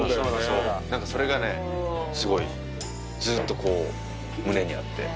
それがすごいずっと胸にあって。